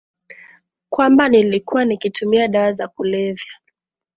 kwamba nilikuwa nikitumia dawa za kulevya